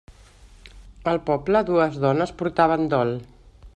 Al poble dues dones portaven dol.